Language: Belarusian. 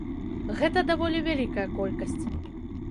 Гэта даволі вялікая колькасць.